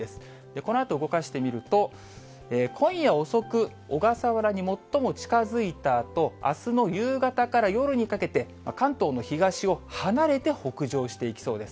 このあと動かしてみると、今夜遅く、小笠原に最も近づいたあと、あすの夕方から夜にかけて、関東の東を離れて北上していきそうです。